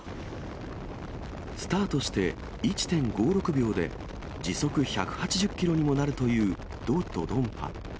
スタートして１．５６秒で、時速１８０キロにもなるというド・ドドンパ。